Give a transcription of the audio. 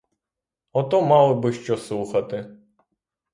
Ото мали би що слухати!